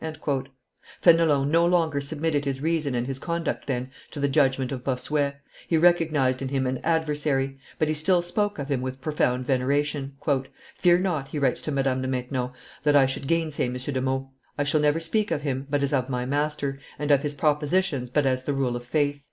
Fenelon no longer submitted his reason and his conduct, then, to the judgment of Bossuet; he recognized in him an adversary, but he still spoke of him with profound veneration. "Fear not," he writes to Madame de Maintenon, "that I should gainsay M. de Meaux; I shall never speak of him but as of my master, and of his propositions but as the rule of faith."